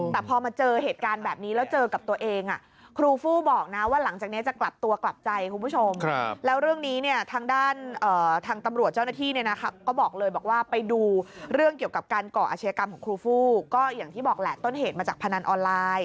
สิ่งที่เราก็สอนคนอื่นมแต่พอวาเจอให้การแบบนี้แล้วเจอกับตัวเอง